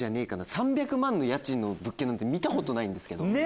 ３００万の家賃の物件なんて見たことないんですけど。